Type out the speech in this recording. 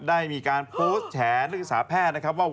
ได้มีการโพสต์แฉนักศึกษาแพทย์นะครับว่า